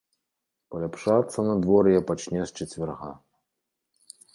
Паляпшацца надвор'е пачне з чацвярга.